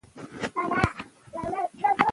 افغانستان د چنګلونه له امله شهرت لري.